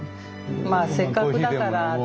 まあせっかくだからって。